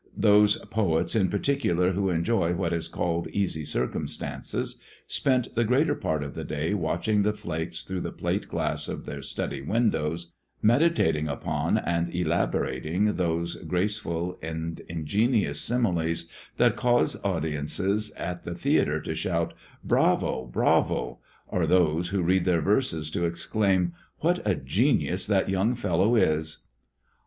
Those poets in particular who enjoy what is called easy circumstances spent the greater part of the day watching the flakes through the plate glass of their study windows, meditating upon and elaborating those graceful and ingenious similes that cause the audiences at the theatre to shout, "Bravo, bravo!" or those who read their verses to exclaim, "What a genius that young fellow is!"